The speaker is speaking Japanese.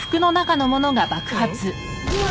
うわ！